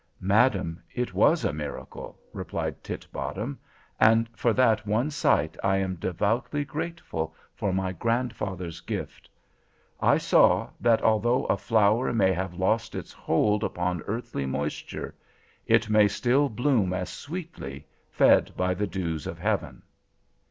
"Madam, it was a miracle," replied Titbottom, "and for that one sight I am devoutly grateful for my grandfather's gift. I saw, that although a flower may have lost its hold upon earthly moisture, it may still bloom as sweetly, fed by the dews of heaven."